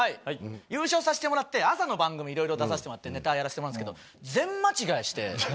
優勝させてもらって朝の番組いろいろ出させてもらってネタやらせてもらうんですけど全間違いして。